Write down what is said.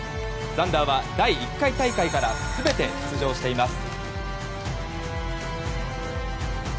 ザンダーは第１回大会から全て出場しています。